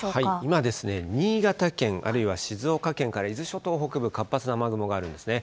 今ですね、新潟県、あるいは静岡県から伊豆諸島北部、活発な雨雲があるんですね。